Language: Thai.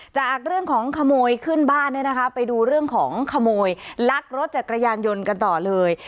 จากเรื่องของขโมยขึ้นบ้านเนี่ยนะคะไปดูเรื่องของขโมยลักรถจักรยานยนต์กันต่อเลย